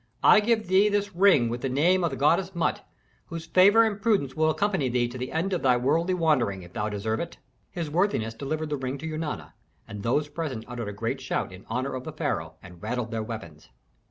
"I give thee this ring with the name of the goddess Mut, whose favor and prudence will accompany thee to the end of thy worldly wandering, if thou deserve it." His worthiness delivered the ring to Eunana, and those present uttered a great shout in honor of the pharaoh, and rattled their weapons.